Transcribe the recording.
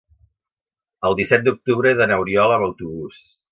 El disset d'octubre he d'anar a Oriola amb autobús.